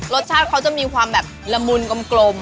รสชาติเขาจะมีความแบบละมุนกลม